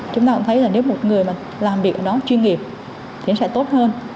chúng ta cũng thấy là nếu một người làm việc ở đó chuyên nghiệp thì sẽ tốt hơn